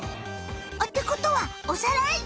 あってことはおさらい？